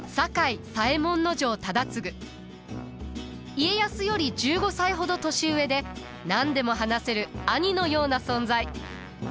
家康より１５歳ほど年上で何でも話せる兄のような存在。